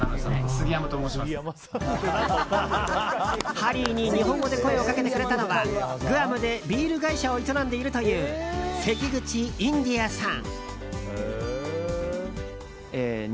ハリーに日本語で声をかけてくれたのはグアムでビール会社を営んでいるという関口インディアさん。